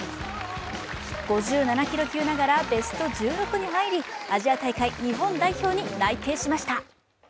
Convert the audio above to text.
５７キロ級ながらベスト１６に入りアジア大会日本代表に内定しました。